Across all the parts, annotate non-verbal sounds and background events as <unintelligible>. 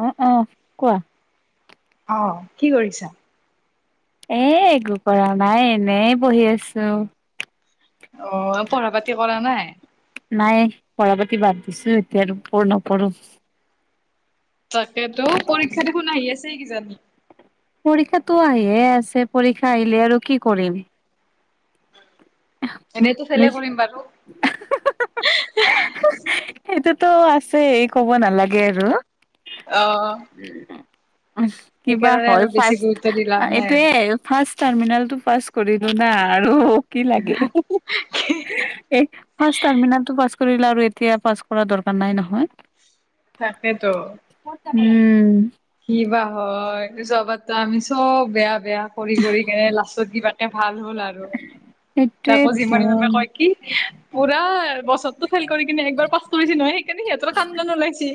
অ অ কোৱা, অহ কি কৰিছা? এ একো কৰা নাই এনে বহি আছো। অ পঢ়া পাতি কৰা নাই? নাই পঢ়া বা কিবা- পছো এতিয়া আৰু পূৰ্ণ পঢ়ো তাকেতো, পৰীক্ষা দেখোন আহি আছে কিজানি। পৰীক্ষাটো আহিয়ে আছে, পৰীক্ষা আহিলে আৰু কি কৰিম। এনেইতো ফেলে কৰিম বাৰু। সেইটোতো আছে ক'ব নালাগে আৰু। অহ। কিবা হয় ফাৰ্ষ্ট গুৰুত্ব দি লাভ নাই আৰু। এইটোয়ে ফাৰ্ষ্ট টাৰ্মিনেল টো পাছ কৰিলো না আৰু কি লাগে। হে হে এই ফাচ টাৰ্মিনাৰ পাছ কৰিলে আৰু এতিয়া পাছ কৰা দৰকাৰ নাই নহয়। তাকেতো। উম। কিবা হয়, যোৱাবাত আমি চব বেয়া বেয়া কৰি কৰি কেনে লাষ্টত কিবা ভাল হ'ল আৰু তাকো যিমান সমানে সেইটোৱেতো কয় কি পুৰা বছৰো ফেইল কৰি কিনে একবাৰ কষ্ট হৈ হৈছে নহয়, সেইকাৰণে সিহঁতৰো কান্দন ওলাইছে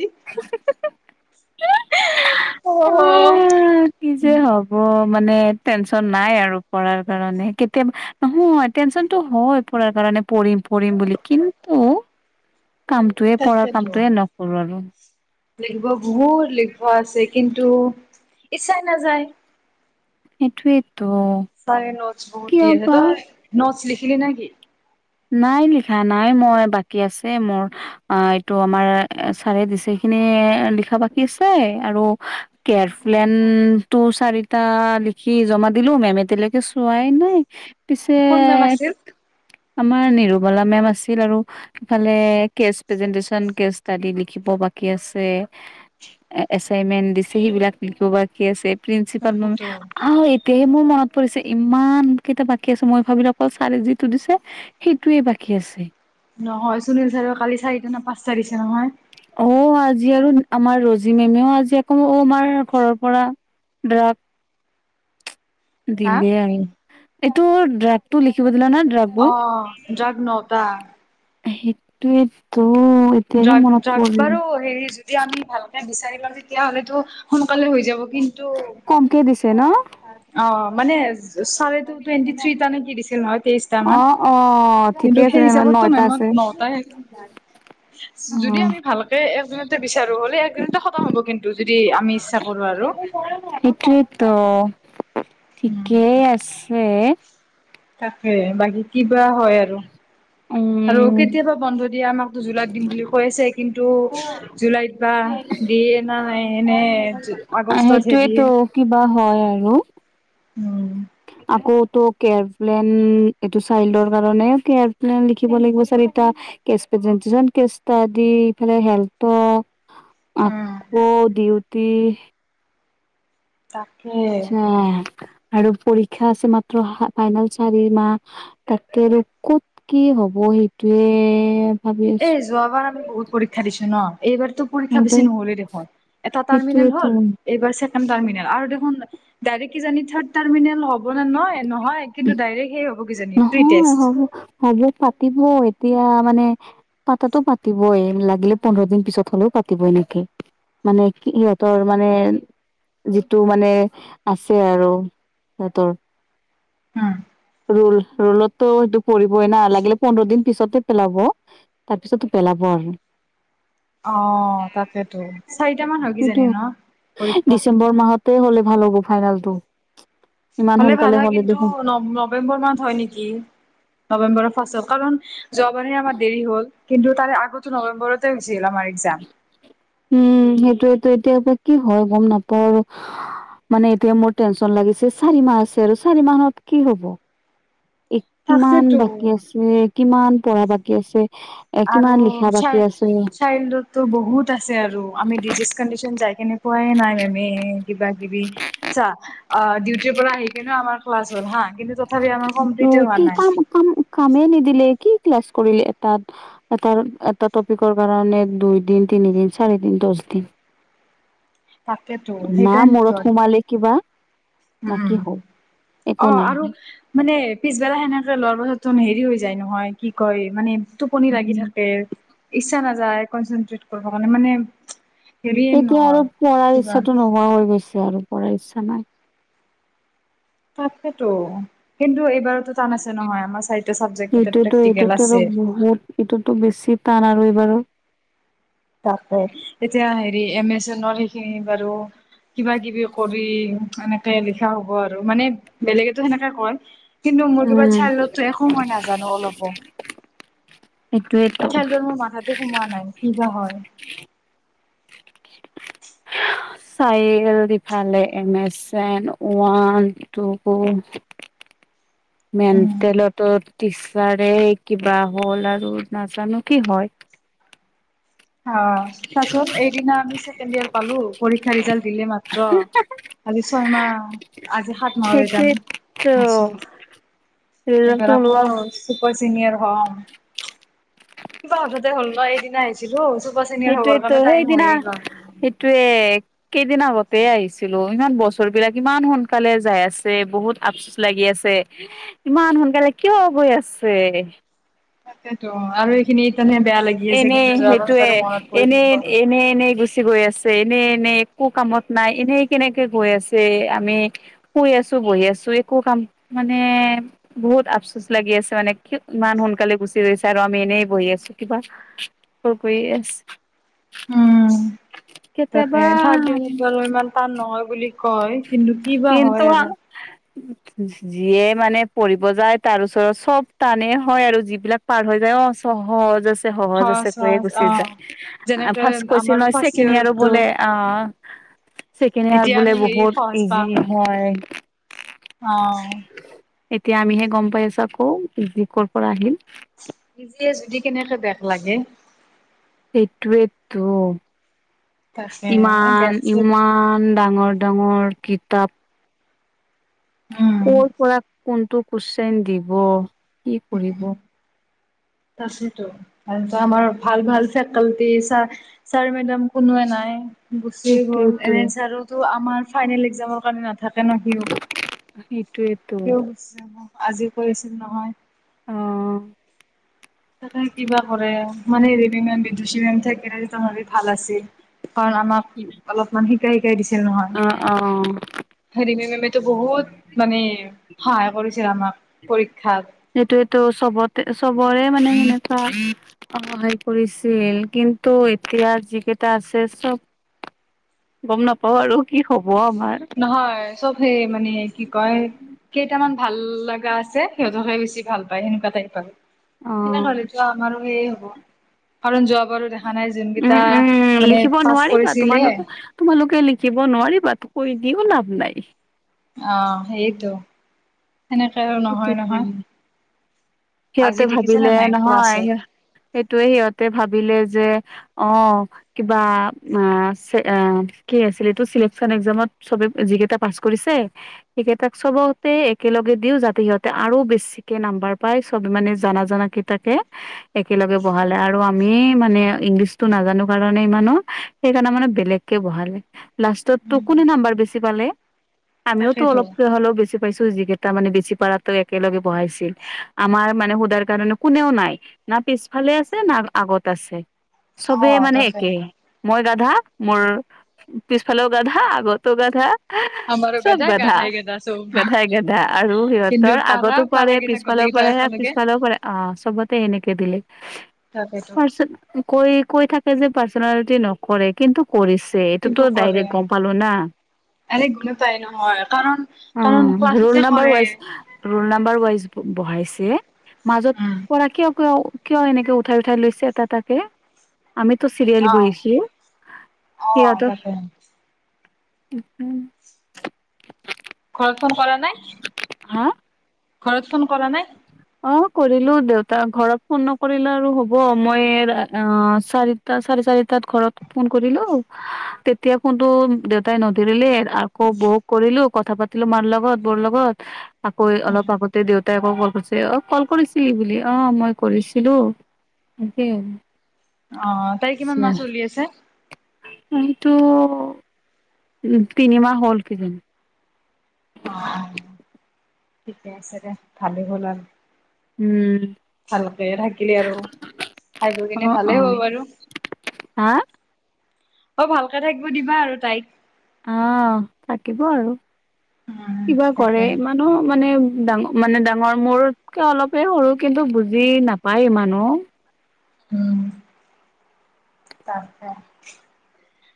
অ। অ', কি যে হ'ব মানে টেনচন নাই আৰু পঢ়াৰ কাৰণে কেতিয়াবা নহয় টেনচ টেনচনটো হয় পঢ়াৰ কাৰণে পঢ়িম পঢ়িম বুলি কিন্তু, <unintelligible> কামটোয়ে পঢ়াৰ তাকেতো। কামটোয়ে নকৰো আৰু। লিখিব বহুত লিখিব আছে, কিন্তু ইচ্ছাই নাযায়। সেইটোৱেই। চাৰে নোটছ বুক দি আছে, তই নোটছ লিখিলি নেকি। নাই লিখা নাই মই বাকী আছে মোৰ অ এইটো আমাৰ ছাৰে দিছে। খিনি লিখা বাকী আছে আৰু কেৰফলেন টো চাৰিটা। লিখি জমা দিলো মেমে তোলকে চোৱাই নাই, পিছে কোন মেম আছিল আমাৰ নিৰুমালা মেম আছিল আৰু ইফালে কেছ প্ৰেজেণ্টেছন কেছ ষ্টাডি লিখিব কি আছে এচাইনমেন্ট দিছে সেইবিলাক নিকো বা কি আছে প্ৰিন্সিপাল মমি তাকেতো আ এতিয়া মোৰ মনত পৰিছে ইমান কেইটা বাকী আছে মই ভাবিলো অকল ছাৰে যিটো দিছে সেইটোৱে বাকী আছে নহয় সুনীল ছাৰ কালি চাৰিটা নে পাঁচটা দিছে নহয়। অ আজি আৰু আমাৰ ৰজি মেমেও আজি আকৌ অ আমাৰ ঘৰৰ পৰা ড্ৰাগ। <unintelligible> হা দিলে আৰু এইটো ড্ৰাগটো লিখিব দিলা না অ ড্ৰাগবোৰ ড্ৰাগ নহতা সেইটোয়তো এতিয়াহে ড্ৰাগ মনত পৰিল বাৰু হেৰি যদি আমি ভালকে বিচাৰি লওঁ তেতিয়া হলেতো সোনকালে হৈ য যাব কিন্তু কমকে দিছে ন? অ মানে চ টুৱেন্টি থ্ৰী তানে কি দিছিল নয় তেইশট মান। অ', অ', কিন্তু ঠিকে আছে সেই তেনেহ'লে হিচাপততো নটা মেমত আছে। নটাই যদি অ', আমি ভালকে একদিনতে বিচাৰো হ'লে একদিনতে খতম হ'ব কিন্তু যদি আমি ইচ্ছা কৰো আৰু। এটোৱতো উম, ঠিকেই আছে। তাকে বাকী কিবা হয় আৰু আৰু উম, কেতিয়াবা বন্ধ দিয়া আমাক জুলাই দিম বুলি কৈছে কিন্তু জুলাইত বা দিয়ে ন। ন এনে আগষ্টতহে দিয়ে। সেইটোৱেতো কিবা হয় আৰু উম আকৌটো কেয়াৰ প্লেন এইটো চাইল্ডৰ কাৰণে কেয়াৰ প্লেন লিখিব লাগিব চাৰ। যিজন কে দি ইফালে হেল্থ উম, আকৌ দিউতি- তাকে আৰু পৰীক্ষা আছে মাত্ৰ ফাইনেল চাৰি মাহ তাকে আৰু কত কি হ'ব। প সিটোৱে এ যোৱাবাৰ আমি বহুত পৰীক্ষা দিছো ন। এইবাৰতো পৰীক্ষা আছো। বেছি নহ'লেই দেখোন এটা াৰ্মিনেল সেইটোয়েতো হ'ল এইবাৰ থাৰ্ডতামিনেল আৰু দে ডাইৰেক্ট থাৰ্ডাতামিনেল হব হ নয় নহয় কিন্তু ডাইৰেক্ সেই হ'ব কিজানি প্ৰি নহয় টেষ্ট। হব হ'ব পাতিব এতিয়া মানে পাতটো পাতিবই লাগিলে পোন্ধৰ দিন পিছত হলেও পাতিব এনেকে মানে কি ইহঁতৰ মানে যিটো মানে আছে আৰু সিহতৰ উম। ৰল ৰোলতো সেইটো পৰিবই না লাগিলে পোন্ধৰ দিন পিছতে পেলাব তাৰ পিছতো পেলাব হয়। অ তাকেতো চাৰিট মান হয় কি সেইটোতো জানি ন। পৰীক্ষা ডিচেম্বৰ মাহতে হ'লে ভাল হ'ব ফাইনেলটো ইমান হলে ভাল সোনকালে হয় কিন্তু দেখোন ন নৱেম্বৰ মাহ হয় নেকি নৱেম্বৰৰ ফাৰ্ষত কাৰণ যোৱাবাৰে আাৰ দেৰি হ'ল কিন্তু তাৰে আগতো নৱেম্বৰতে হৈছিল আমাৰ এক্সাম উম সেইটোয়ো এতিয়া পৰা কি হয় গম নাপাও আৰু মানে এতিয়া মোৰ টেনচন লাগিছে চাৰি মাহ আছে আৰু চাৰি মাহত কি হব <unintelligible> কিমান তাকেতো বাকী আছে কিমান পঢ়া বাকী আছে। এ আৰু কিমান লিখা বাকী আছে শাৰলততো বহুত আছে আৰু আমি ডিজিজ কডিচন যাই। কেনে পোৱাই নাই মেমে কিবা কিবি চা অ ডিউটিৰ পৰা আহি কিনে আমাৰ ক্লাছ হল হা কিন্তু যত কি কাম কাম কামে নিদিলে কি কি ক্লাছ কৰিলে এটা এ এটা টপিকৰ কাৰণে দুই দিন তিনি দিন চাৰি দিন দ টিফ। তাকেতো না সেইকাৰণেতো মূৰত সোমালি কিবা না উম কি হ'ল অ একো নাই আৰু মানে পিছবেলা সেনেকে লোৱাৰ পাছত ত হেৰি হৈছে। যায় নহয় কি কয় মানে টোপনি লাগি থাকে ইচ্ছা নাযায় কনচেনট্ৰেট কৰিবৰ কাৰণে মানে হেৰিয়ে এতিয়া আৰু নহয় পঢ়াৰ কিবা ইচ্ছাটো নোহোৱা হৈ গৈছে আৰু পঢ়াৰ ইচ্ছা নাই তাকাকেতো কিন্তু এই লোৱা টান আছে নহয় চাৰিটা চাবযেক এইটোতো প্ৰেটিকেল এইটোতো আৰু আছে। বহুত এইটোতো বেছি টান আৰু এইবাৰো তাৰতে এতিয়া হেৰি এম এজনৰ সেইখিনি বাৰু কিবা কিবি কৰি এনেকে লিখা হ'ব আৰু মানে বেলেগেতো সেনেকে কয় কিন্তু মোৰ কিবা উম চাই সোতো সময় নাজানো অলপো সেইটোয়েতো খেলটোৰ মোৰ মাথাতে সোমোৱা নাই কি বা হয় চাইেল দিফালে এমাজ ওৱান টু <inaudible> মেন উম। তেলতো টিচাৰে কিবা হ'ল আৰু নাজানো কি হয়। অ চাচোন এইদিনা আমি চছেকেণ্ড ইয়াৰ পালো পৰীক্ষা ৰিজাল্ট দিলে মাত্ৰ কালি ছয় মাহ আজি সাত মাহলৈ যাম সেইটোৱেতো আছ এইবাৰ ৰিজাল্টটো আকৌ ওলোৱা চুপাৰ চিনিয়াৰ হ'ম কিবা হঠতে হ'ল ন এদদিনা আহিছিলো চুপাৰ চিনিয়ৰ হ'বৰ সেইটোৱেতো কাৰণে টাইম সেইদিনা হয়য়ে গল সেইটোৱে কেইদিন আগত তাতে আহিছিলো ইমান বছৰ বিলাক ইমান সোনকালে যাই আছে বহুত আফচোচ লাগি আছে। ইমান সোনকালে কিয় বৈ আছে। তাকেতো আৰু এইখিনি ইতানে বেয়া লাগি আছে এনে কিন্তু যোৱাৰ পাছত সেইটোয়ে আৰু মনত পৰি এনে থাকিব। এনে এনেই গুচি গৈ আছে এনে এনে একো কামত নাই এনে কেনেকে গৈ আছে আমি শুই আছো বহি আছো একো কাম মানে বহুত আফচোচ লাগি আছে মানে কি ইমান সোনকালে গুচি গৈছে আৰু আমি এনেই বহি আছো কিবা ক কৰি আছো উম তাকে থাৰড ই বাৰু ইমান টান নহয় বুলি কয় কিন্তু কি বা কিন্তু হয় আৰু যিয়ে মানে পঢ়িব যায় তাৰ ওচৰত চব টানেই হয় আৰু যিবিলাক পাৰ হৈ যায় অ চব হয় জাচ সহজ আছে কৈয়ে সহজ গুচি অ যায় যেনেকে ফাৰ্ষ কৈছিল আমাৰ ফাৰ্ষ্ট চছেকেণ্ড ইয়াৰো ইয়েৰতো বোলে অ ছেকেণ্ড ইয়াৰ এতিয়া বোলে আমি হেৰি বহুত সহজ ইজি পাওঁ হয়। অ এতিয়া আমিহে গম পাই আছো আকৌ ইযি ক'ৰ পৰা আহিল ইজিয় যদি কেনেকে বেগ লাগে। এইটোৱেটো তাকে বেক ইমান চেক ইমান ডাঙৰ ডাঙৰ কিতাপ উম কৰ পৰা কোনটো কুইশ্চন দিব কি কৰিব তাকেতো আমাৰ ভাল ভাল ফেকাটি ছ ছাৰ মেডাম কোনোৱে নাই গুচিয়ে গ'ল সেইটোয়েতো আমাৰ ফাইনেল একজামৰ নাথাকে ন সিও সেইটোয়েতো সিও আজিও কৰিছিল নহয়। অ তাকে কিবা কৰে মানে মেম বিদুষী মে থাকে ভাল আছিল কাৰণ আমাক অলপমান শিকাই শিকাই দিছিল নহয়। অ অ হেৰিমে মেম তটো বহুত মানে সহায় কৰিছিল আমাক পৰীক্ষাত সেইটোয়েটো চবতে চবৰে মানে সেনেকুৱা সহায় কৰিছিল কিন্তু কিন্তু এতিয়া যিকেইটা আছে চব <inaudible> গম নাপাও আৰু কি খব নহয় চব সে মানে কি কয় কেইটামান ভাল লগা আছে সিহঁতকহে বেছি ভাল পায় হেনেকোৱা টাইপ অ আৰু কাৰণ যোৱা উম উম লিখিব পাছ নোৱাৰিবা কৰিছিলে তোমালোকে তোমালোকে লিখিব নোৱাৰিবা কৈ দিও লাভ নাই অ সেইটো সেনেকে আৰু নহয় সেইটোৱে। নহয়। সিহঁতে আজি দেখিছে ভাবিলে নে নাই নহয় ক্লাছত স সেইটোয়ে সিহঁতে ভাবি ভাবিলে যে অ কিবা কি আছিল এইটো চিলেকচন একজামত যি কেইটাই পাছ কৰিছে সেইকেইটাক চবকে একেলগে দিও যাতে সিহঁতে আৰু আৰু বেছিকে নাম্বাৰ পাই চব মানে জনা জনা কেইটাকে একেলগে বহালে আৰু আমি মানে ইংলিছতো না নাজানো কাৰণে ইমানো সেইকাৰণে মানে বেলেগকে বহালে লাষ্টত টো উম, কোনে নাম্বাৰ বেছি পালে? আমিওতো তাকেইতো অলপকে হ'লেও বেছি পাইছো যিকেইটা মানে বেছি পাৰাতো একেলগে বহাইছিল। আমাৰ মানে সোধাৰ কাৰণে কোনেও নাই না পিছফালে আছে না আগত আছে। অ চবে মানে তাকে একে মই গাধা মোৰ পিছফালেও গাধা আগতো গাধা। আমাৰো চব গেধা গাধা গাধাই গেধা চব গাধাই গাধা আৰু কিন্তু সিহঁতৰ পাৰা আগতো পাৰে পাৰা কেইটা গোটেই পিছফালেও কেইটা পাৰে একেলগে পিছফালেও পাৰে অ চবতে এনেকে দিলে তাকেইতো কৈ কৈ থাকে যে পাৰ্চনেলিটি নকৰে কিন্তু কৰিছে কিন্তু এইটোতো কৰে ডাইৰেক্ট গম পালো না। আৰে গমে পাই নহয় কাৰণ অ কাৰণ ৰোল ক্লাছতে নাম্বাৰ কৰে। ৱাইজ ৰোল নাম্বাৰ ৱাইজ বহাইছে। মাজত উম। পৰা কিয় কিয় কিয় এনেকে উঠাই উঠাই লৈছে এটা এটাকে আমিতো চিৰিয়েলি অ বহিছো অ সিহতক তাকে <unintelligible> ঘৰত ফোন কৰা নাই। ঘৰত ফোন কৰা নাই অ কৰিলো দেউতা ঘৰত ফোন নকৰিলে আৰু হব মই অ চাৰিটা চাৰি চাৰিতাত ঘৰত ফোন কৰিলো তেতিয়া ফোনটো দেউতাই নধৰিলেে আকৌ বৌক কৰিলো কথা পাতিলো মাৰ লগত বোৰ লগত আকৌ অলপ আগতে দেউতাই আকৌ কল কৰিছে। অ কল কৰিছিলি বুলি অ মই কৰিছিলো সেই আৰু। অ তাই কিমান মাহ চলি আছে। এইটো উ তিনিমাহ হ'ল কি জানি। অ ঠিকে আছে দে ভালেই হ'ল আৰু। উম, ভালকে থাকিলি আৰু। খাই বৈ কিনে অ', ভালেই হ'ব অ'। বাৰু। হা অ ভালকে থাকিব দিবা আৰু তাইক। অ থাকিব আৰু উম কিবা কৰে তাকে মানুহ মানে ডাঙৰ মানে ডাঙৰ মোৰকে অলপেই সৰু কিন্তু বুজি নাপায় ইমানো। উম তাকে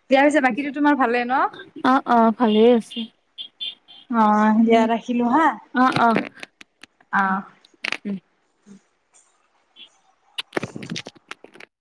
বিয়া হৈছে বাকীটো তোমাৰ ভালে ন। অ', অ', ভালেই আছে। অহ দিয়া উম, ৰাখিলো হা। অ', অ', উম। অহ <unintelligible>